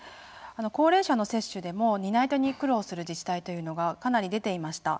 高齢者の接種でも担い手に苦労する自治体というのがかなり出ていました。